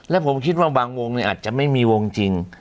และผมคิดว่าบางวงเนี่ยอาจจะไม่มีวงจริง